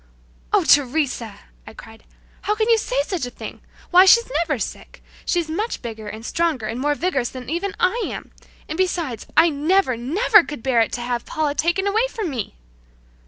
"Oh, Teresa!" I cried, "how can you say such a thing! Why, she's never sick! She's much bigger and stronger and more vigorous than even I am. And besides, I never, never could bear it to have Paula taken from me!"